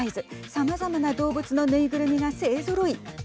さまざまな動物の縫いぐるみが勢ぞろい。